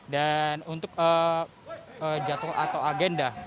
dan untuk jadwal atau agenda